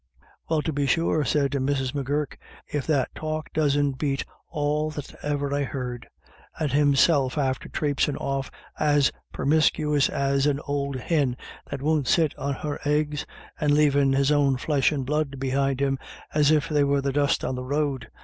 "" Well, tubbe sure," said Mrs. M'Gurk, " if that talk doesn't bate all that ever I heard ! And him self after trapesin' off as permiscuous as an ould COMING AND GOING. 307 hin that won't sit on her eggs, and lavin' his own flesh and blood behind him as if they were the dust on the road.